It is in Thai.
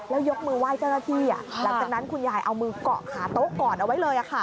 แล้วยกมือไหว้เจ้าหน้าที่หลังจากนั้นคุณยายเอามือเกาะขาโต๊ะก่อนเอาไว้เลย